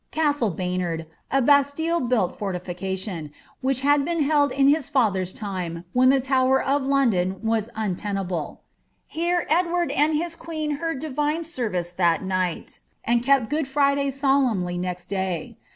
Castle Baynard, a Bastille4)uilt fortifieatioii, which had been held in his father's time, when the Tower of London was unten able Here Edward and his queen heard divine service that night, and kept Good Friday solenmly next day.